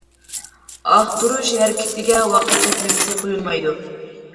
ئاختۇرۇش ھەرىكىتىگە ۋاقىت چەكلىمىسى قويۇلمايدۇ.